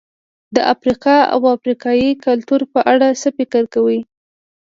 د افریقا او افریقایي کلتور په اړه څه فکر کوئ؟